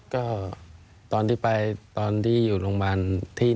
ก็ตอนที่ไปตอนที่อยู่โรงพยาบาลที่